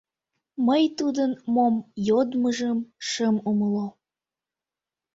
Мый тудын мом йодмыжым шым умыло.